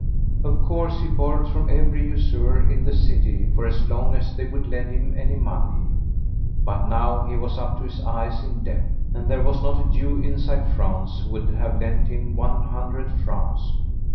Of course, he borrowed from every usurer in the city for as long as they would lend him any money; but now he was up to his eyes in debt, and there was not a Jew inside France who would have lent him one hundred francs.